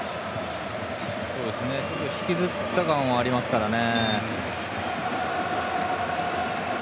引きずった感がありますからね。